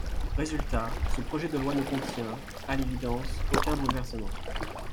Résultat, ce projet de loi ne contient, à l’évidence, aucun bouleversement.